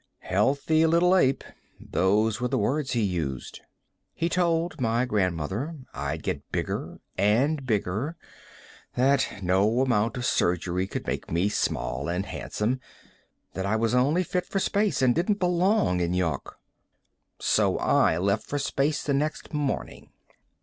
'Healthy little ape' those were the words he used. He told my grandmother I'd get bigger and bigger, that no amount of surgery could make me small and handsome, that I was fit only for space and didn't belong in Yawk. So I left for space the next morning."